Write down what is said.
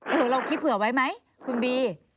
โอ้โหเราคิดเผื่อไว้ไหมคุณบี